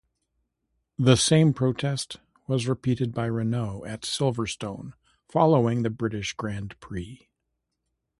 The same protest was repeated by Renault at Silverstone following the British Grand Prix.